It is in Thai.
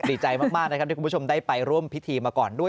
ดีใจมากนะครับที่คุณผู้ชมได้ไปร่วมพิธีมาก่อนด้วย